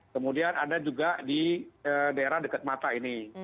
kemudian ada juga di daerah dekat mata ini